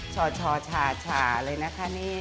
ชอชอชาชาเลยนะคะเนี่ย